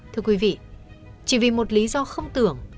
thưa quý vị chỉ vì một lý do không tưởng